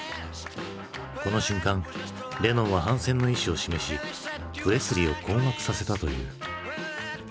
この瞬間レノンは反戦の意思を示しプレスリーを困惑させたという。